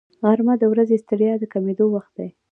غرمه د ورځنۍ ستړیا د کمېدو وخت دی